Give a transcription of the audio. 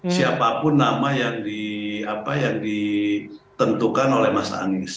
siapapun nama yang ditentukan oleh mas anies